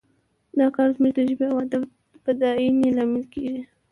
دا کار زموږ د ژبې او ادب د بډاینې لامل کیږي